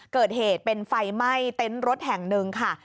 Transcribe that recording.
เกิดเหตุเป็นไฟไหม้เต็นต์รถแห่งหนึ่งค่ะ